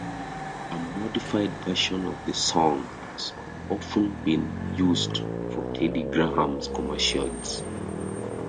A modified version of the song has often been used for Teddy Grahams commercials.